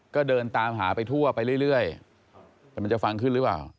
ก็เดินตามหาไปทั่วไปเรื่อยแต่มันจะฟังขึ้นหรือเปล่า